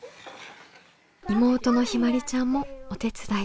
妹のひまりちゃんもお手伝い。